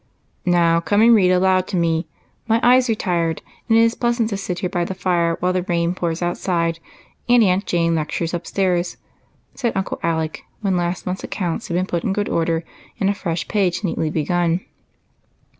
" Now come and read aloud to me ; my eyes are tired, and it is pleasant to sit here by the fire while the rain pours outside and Aunt Jane lectures up stairs," said Uncle Alec, when last month's accounts had been put in good order and a fresh page neatly begun.